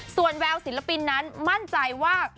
ส่วนแววศิลปินนั้นมั่นใจว่า